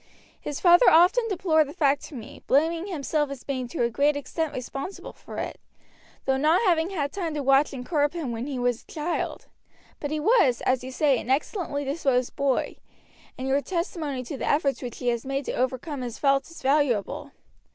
His father often deplored the fact to me, blaming himself as being to a great extent responsible for it, through not having had time to watch and curb him when he was a child; but he was, as you say, an excellently disposed boy, and your testimony to the efforts which he has made to overcome his faults is valuable.